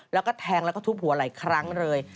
แล้วก็แทงแล้วก็ทุบหัวหลายครั้งเลย